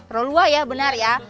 rolua ya benar ya